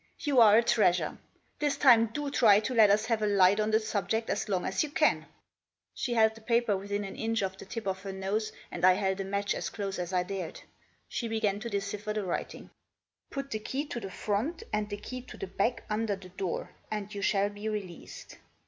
You are a treasure ! This time do try to let us have a light on the subject as long as you can." She held the paper within an inch of the tip of her nose, and I held a match as close as I dared. She began to decipher the writing. "' Put the key to the front and the key to the back under the door, and you shall be released.